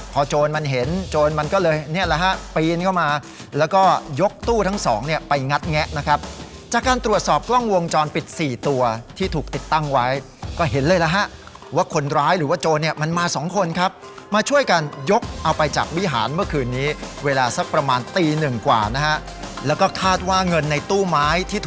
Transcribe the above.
พอโจรมันเห็นโจรมันก็เลยเนี่ยแหละฮะปีนเข้ามาแล้วก็ยกตู้ทั้งสองเนี่ยไปงัดแงะนะครับจากการตรวจสอบกล้องวงจรปิด๔ตัวที่ถูกติดตั้งไว้ก็เห็นเลยนะฮะว่าคนร้ายหรือว่าโจรเนี่ยมันมาสองคนครับมาช่วยกันยกเอาไปจากวิหารเมื่อคืนนี้เวลาสักประมาณตีหนึ่งกว่านะฮะแล้วก็คาดว่าเงินในตู้ไม้ที่